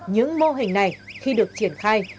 những mô hình này khi được triển khai